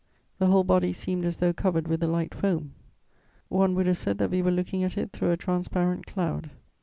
"The whole body seemed as though covered with a light foam; one would have said that we were looking at it through a transparent cloud.